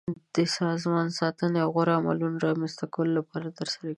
د سازمان ساتنې او غوره عملونو رامنځته کولو لپاره ترسره کیږي.